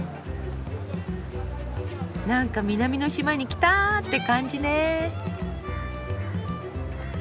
なんか「南の島に来た」って感じね。